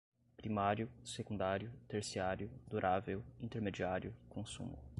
primário, secundário, terciário, durável, intermediário, consumo